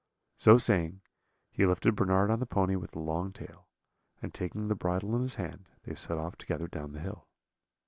"So saying, he lifted Bernard on the pony with the long tail, and taking the bridle in his hand, they set off together down the hill.